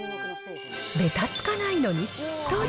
べたつかないのにしっとり。